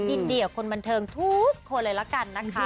๖๗๐๖๗๘อินเดียคนบันเทิงทุกคนเลยละกันนะคะ